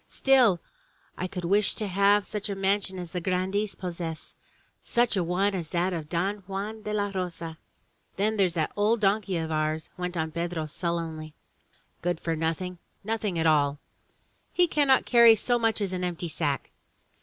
"Still I could wish to have such a mansion as the grandees possess — such a one as that of Don Juan de la Rosa." " Then there's that old donkey of ours," went on Pedro sullenly. "Good for nothing — ^nothing at all. He cannot carry so much as an empty sack.